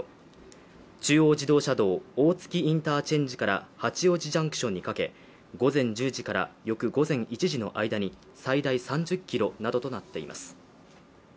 中央自動車道大月インターチェンジから八王子ジャンクションにかけ午前１０時から翌午前１時の間に最大３０ｋｍなどとなっています。